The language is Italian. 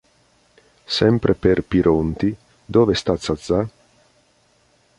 Sempre per Pironti "Dove sta Zazà?